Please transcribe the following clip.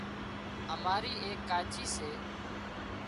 اماري ايڪ ڪاچي سي